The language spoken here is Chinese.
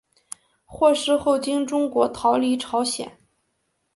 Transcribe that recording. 获释后经中国逃离朝鲜。